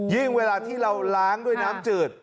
เวลาที่เราล้างด้วยน้ำจืด